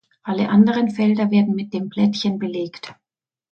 Alle anderen Felder werden mit den Plättchen belegt.